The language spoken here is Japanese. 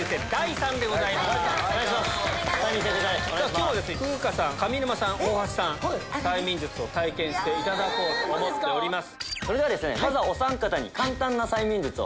今日は風花さん上沼さん大橋さん催眠術を体験していただこうと思っております。